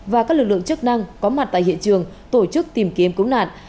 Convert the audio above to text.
và các lực lượng chức năng có mặt tại hiện trường tổ chức tìm kiếm cứu nạn